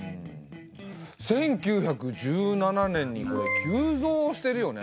１９１７年にこれ急増してるよね。